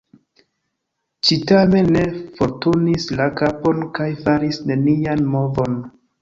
Ŝi tamen ne forturnis la kapon kaj faris nenian movon.